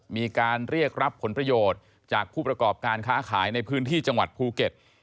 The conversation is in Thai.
มีการเรียกรับผลประโยชน์จากผู้ประกอบการค้าขายในพื้นที่จังหวัดภูเก็ต